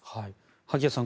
萩谷さん